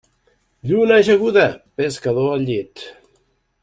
Lluna ajaguda, pescador al llit.